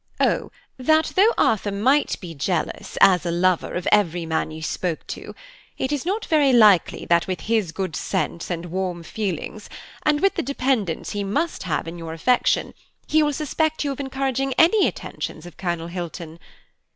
Oh, that though Arthur might be jealous, as a lover, of every man you spoke to, it is not very likely that with his good sense and warm feelings, and with the dependence he must have in your affection, he will suspect you of encouraging any attentions of Colonel Hilton.